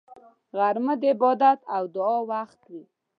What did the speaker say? غرمه د عبادت او دعا وخت وي